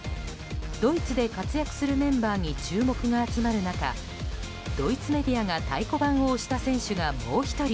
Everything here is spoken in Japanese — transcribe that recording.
ドイツで活躍するメンバーに注目が集まる中ドイツメディアは太鼓判を押した選手がもう１人。